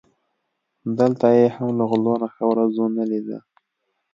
دلته یې هم له غلو نه ښه ورځ و نه لیده.